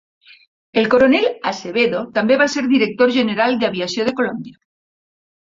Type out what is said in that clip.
El coronel Acevedo també va ser director general d'aviació de Colòmbia.